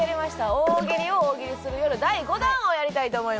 大喜利を大喜利する夜第５弾をやりたいと思います。